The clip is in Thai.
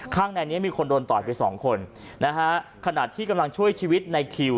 ข้างในนี้มีคนโดนต่อยไปสองคนนะฮะขณะที่กำลังช่วยชีวิตในคิว